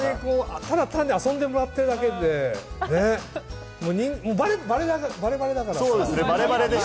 ただ遊んでもらいたいだけで、バレバレだからさ。